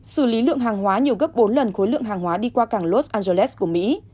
xử lý lượng hàng hóa nhiều gấp bốn lần khối lượng hàng hóa đi qua cảng los angeles của mỹ